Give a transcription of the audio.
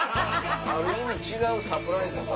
ある意味違うサプライズが。